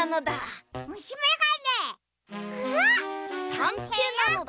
たんていなのだ。